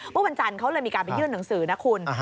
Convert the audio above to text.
เมื่อวันจันทร์เขาเลยมีการไปยื่นหนังสือนะคุณ